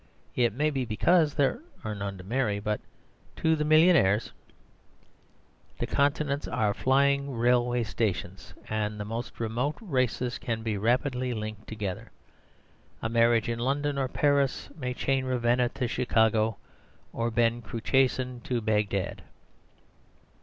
It may be because there are none to marry. But to the millionaires the continents are flying railway stations, and the most remote races can be rapidly linked together. A marriage in London or Paris may chain Ravenna to Chicago, or Ben Cruachan to Bagdad.